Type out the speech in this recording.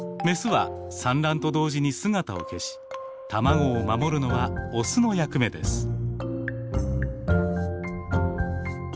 メスは産卵と同時に姿を消し卵を守るのはオスの役目です。